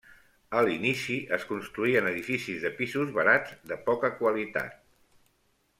A l'inici es construïen edificis de pisos barats de poca qualitat.